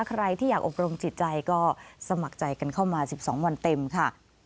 ใครที่อยากอบรมจิตใจก็สมัครใจกันเข้ามา๑๒วันเต็มค่ะ